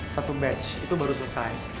satu batch itu baru selesai